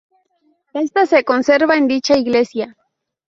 Esta se conserva en dicha iglesia.